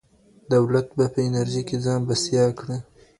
دولت به په انرژۍ کي ځان بسیا کړي.